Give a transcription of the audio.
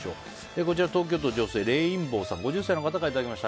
東京都の女性５０歳の方からいただきました。